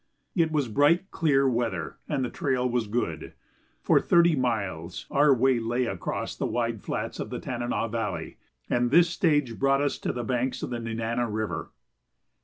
It was bright, clear weather and the trail was good. For thirty miles our way lay across the wide flats of the Tanana Valley, and this stage brought us to the banks of the Nenana River.